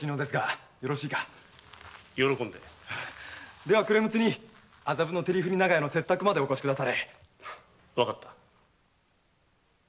では暮れ六つに麻布の照降長屋の我が家へお越しくだされ。